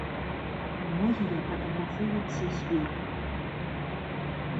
Многія фатаграфуюцца з ёй.